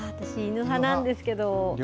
私犬派なんですけど。